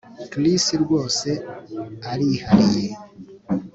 Chris rwose arihariye